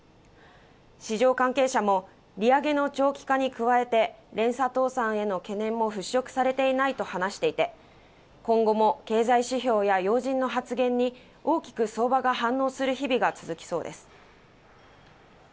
市場関係者も売り上げの長期化に加えて、連鎖倒産への懸念も払拭されていないと話していて、今後も経済指標や要人の発言に大きく相場が反応する日々が続きそうです。